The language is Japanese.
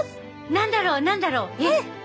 何だろう何だろう？えっ？